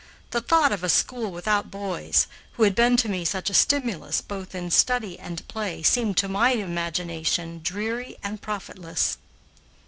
The thought of a school without boys, who had been to me such a stimulus both in study and play, seemed to my imagination dreary and profitless.